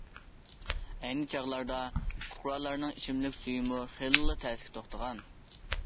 ئەينى چاغلاردا پۇقرالارنىڭ ئىچىملىك سۈيىمۇ خېلىلا تەسكە توختىغان.